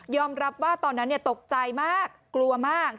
รับว่าตอนนั้นตกใจมากกลัวมาก